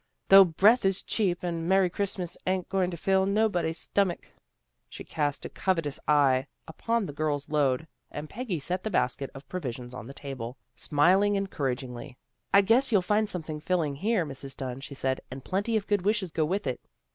" Though breath is cheap and ' Merry Christmas ' ain't a'going to fill nobody's stom mick." She cast a covetous eye upon the girls' load, and Peggy set the basket of pro visions on the table, smiling encouragingly. " I guess you'll find something filling here, Mrs. Dunn," she said. " And plenty of good wishes go with it."